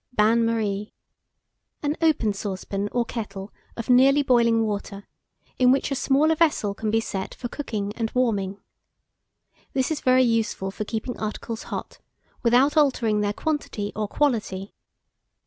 BAIN MARIE. An open saucepan or kettle of nearly boiling water, in which a smaller vessel can be set for cooking and warming. This is very useful for keeping articles hot, without altering their quantity or quality.